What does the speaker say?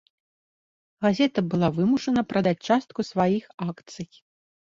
Газета была вымушана прадаць частку сваіх акцый.